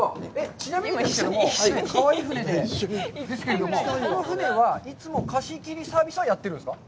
ちなみにですけども、かわいい船ですけれども、この船は、いつも貸し切りサービスはやっているんですか。